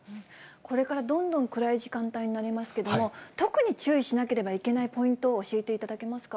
これからどんどん暗い時間帯になりますけれども、特に注意しなければいけないポイントを教えていただけますか。